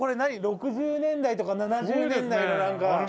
６０年代とか７０年代のなんか。